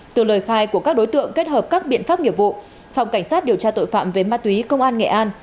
từ lời khai của các đối tượng kết hợp các biện pháp nghiệp vụ phòng cảnh sát điều tra tội phạm về ma túy công an nghệ an